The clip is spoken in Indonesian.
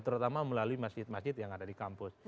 terutama melalui masjid masjid yang ada di kampus